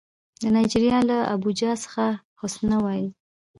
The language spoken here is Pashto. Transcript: د نایجیریا له ابوجا څخه حسنه وايي